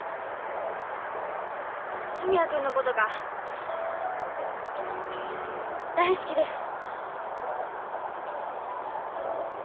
文也君のことが大好きです。